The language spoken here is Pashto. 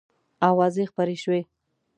آوازې خپرې شوې.